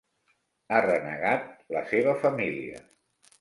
Ha renegat la seva família.